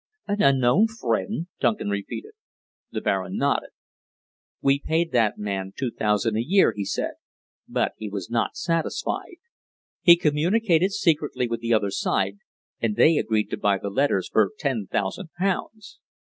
"An unknown friend?" Duncan repeated. The Baron nodded. "We paid that man two thousand a year," he said, "but he was not satisfied. He communicated secretly with the other side, and they agreed to buy the letters for ten thousand pounds.